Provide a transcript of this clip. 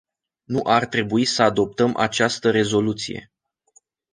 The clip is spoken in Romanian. Nu ar trebui să adoptăm această rezoluție.